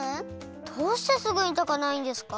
どうしてすぐにたかないんですか？